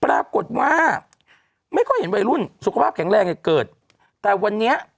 ปรากฏว่าไม่ค่อยเห็นวัยรุ่นสุขภาพแข็งแรงเนี่ยเกิดแต่วันนี้